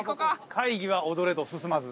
会議は踊れど進まず。